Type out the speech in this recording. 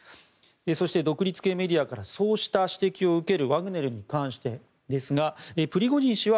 そして独立系メディアからそうした指摘を受けるワグネルに関してですがプリゴジン氏は